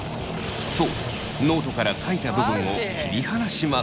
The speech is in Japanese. そうノートから書いた部分を切り離します。